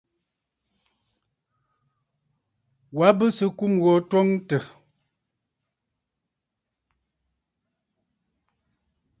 Wa bɨ sɨ̀ ɨkum gho twoŋtə̀.